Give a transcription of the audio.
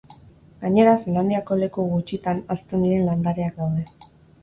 Gainera, Finlandiako leku gutxitan hazten diren landareak daude.